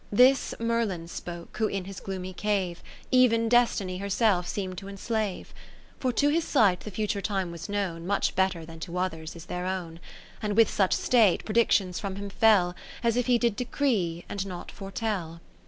This Merlin spoke, who in his gloomy cave, Ev'n Destiny herself seem'd to en slave. For to his sight the future time was known. Much better than to others is their own : 30 And with such state, predictions from him fell. As if he did decree, and not fore tell.